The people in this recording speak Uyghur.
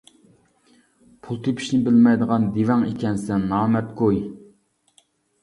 -پۇل تېپىشنى بىلمەيدىغان دېۋەڭ ئىكەنسەن، نامەرد گۇي!